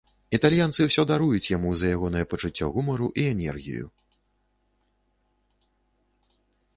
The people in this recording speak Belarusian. Італьянцы ўсё даруюць яму за ягонае пачуцце гумару і энергію.